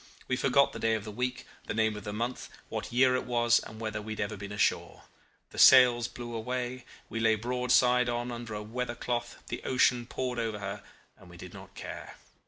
We forgot the day of the week, the name of the month, what year it was, and whether we had ever been ashore. The sails blew away, she lay broadside on under a weather cloth, the ocean poured over her, and we did not care.